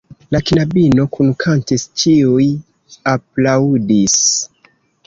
La knabino kunkantis, ĉiuj aplaŭdis.